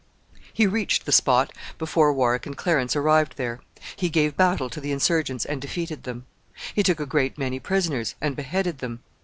He reached the spot before Warwick and Clarence arrived there. He gave battle to the insurgents, and defeated them. He took a great many prisoners, and beheaded them.